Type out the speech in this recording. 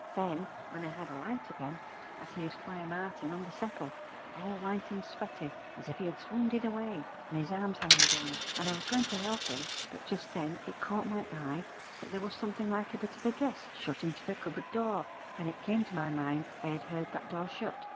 Then, when I had a light again, I see Esquire Martin on the settle, all white and sweaty as if he had swounded away, and his arms hanging down; and I was going to help him; but just then it caught my eye that there was something like a bit of a dress shut into the cupboard door, and it came to my mind I had heard that door shut.